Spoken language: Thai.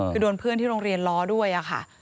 คือโดนเพื่อนที่โรงเรียนล้อด้วยค่ะ